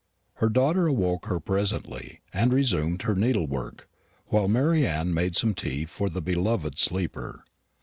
Her daughter awoke her presently, and she resumed her needlework, while Mary Anne made some tea for the beloved sleeper.